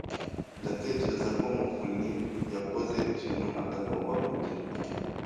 Ndatekereza ko Muvunnyi yakoze ikintu atagomba kugira.